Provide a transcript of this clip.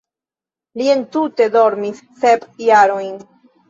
Li entute dormis sep tagojn.